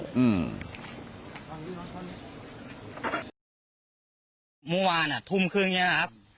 เมื่อวานอ่ะทุ่มครึ่งเนี้ยครับ